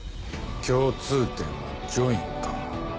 共通点は『ジョイン』か。